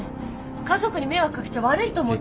家族に迷惑掛けちゃ悪いと思って